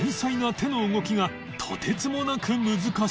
この磧弔とてつもなく難しい